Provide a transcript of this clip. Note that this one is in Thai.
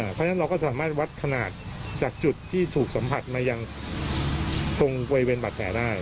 เพราะฉะนั้นเราก็สามารถวัดขนาดจากจุดที่ถูกสัมผัสมายังตรงบริเวณบาดแผลได้